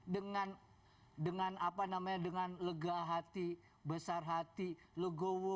dengan dengan apa namanya dengan lega hati besar hati legowo